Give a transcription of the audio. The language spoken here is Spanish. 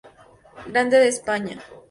Grande de España.